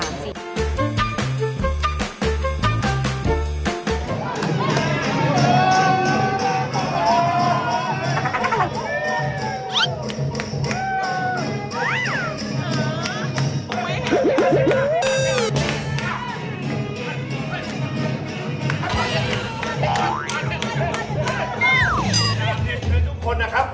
นะ